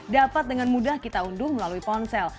dapat dengan mudah kita unduh melalui ponsel